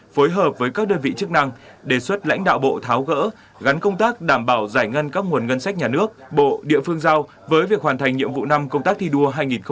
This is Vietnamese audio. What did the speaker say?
phối hợp với các đơn vị chức năng đề xuất lãnh đạo bộ tháo gỡ gắn công tác đảm bảo giải ngân các nguồn ngân sách nhà nước bộ địa phương giao với việc hoàn thành nhiệm vụ năm công tác thi đua hai nghìn hai mươi